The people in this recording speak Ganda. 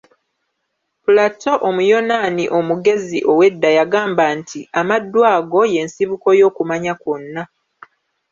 Plato Omuyonaani omugezi ow'edda yagamba nti: "Amaddu ago ye nsibuko y'okumanya kwonna."